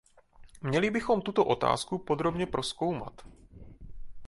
Měli bychom tuto otázku podrobně prozkoumat.